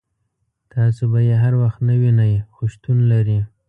تاسو به یې هر وخت نه وینئ خو شتون لري.